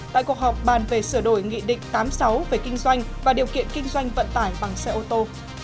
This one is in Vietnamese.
tại cuộc họp bàn về sửa đổi nghị định tám mươi sáu về kinh doanh và điều kiện kinh doanh vận tải bằng xe ô tô